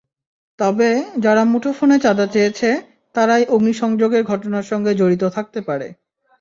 তবে, যারা মুঠোফোনে চাঁদা চেয়েছে, তারাই অগ্নিসংযোগের ঘটনার সঙ্গে জড়িত থাকতে পারে।